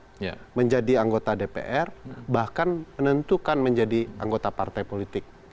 untuk menjadi anggota dpr bahkan menentukan menjadi anggota partai politik